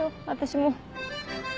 私も。